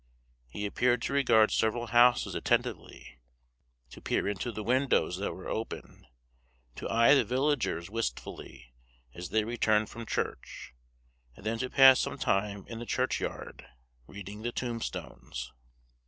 He appeared to regard several houses attentively, to peer into the windows that were open, to eye the villagers wistfully as they returned from church, and then to pass some time in the churchyard, reading the tombstones.